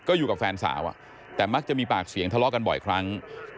ก็อยู่กับแฟนสาวแต่มักจะมีปากเสียงทะเลาะกันบ่อยครั้ง